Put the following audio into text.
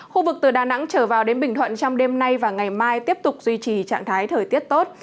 khu vực từ đà nẵng trở vào đến bình thuận trong đêm nay và ngày mai tiếp tục duy trì trạng thái thời tiết tốt